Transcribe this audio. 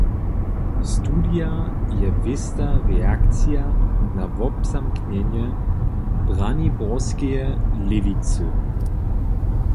Studija je wěsta reakcija na wobzamknjenje braniborskeje Lěwicy.